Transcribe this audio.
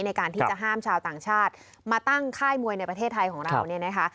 ในการที่จะห้ามชาวต่างชาติมาตั้งค่ายมวยในประเทศไทยของเราเนี่ยนะคะ